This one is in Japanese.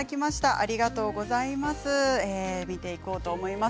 ありがとうございます。